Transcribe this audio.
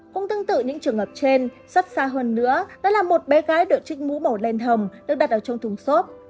cũng tương tự những trường hợp trên rất xa hơn nữa đó là một bé gái được trích mũ màu đen hồng được đặt ở trong thùng xốp